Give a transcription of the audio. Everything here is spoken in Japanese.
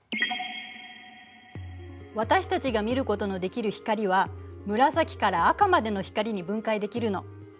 私たちが見ることのできる光は紫から赤までの光に分解できるの。